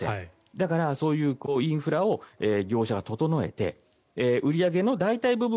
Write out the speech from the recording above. だからそういうインフラを業者が整えて売り上げの大体部分